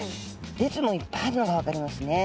列もいっぱいあるのが分かりますね。